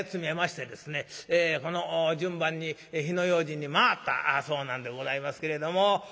順番に火の用心に回ったそうなんでございますけれども。